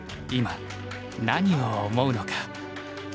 今何を思うのか。